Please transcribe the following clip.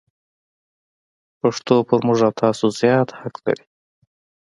پښتو پر موږ او تاسو زیات حق لري.